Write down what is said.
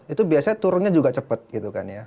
itu biasanya turunnya juga cepet gitu kan ya